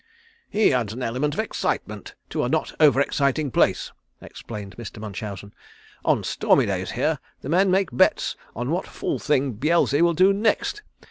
"He adds an element of excitement to a not over exciting place," explained Mr. Munchausen. "On stormy days here the men make bets on what fool thing Beelzy will do next.